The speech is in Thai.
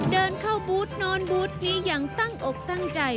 เดินเข้าบูธนอนบูธนี้อย่างตั้งอกตั้งใจ